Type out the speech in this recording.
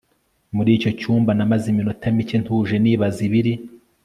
muri icyo cyumba namaze iminota mike ntuje nibaza ibiri